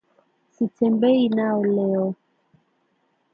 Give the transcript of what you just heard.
Sitembei nao leo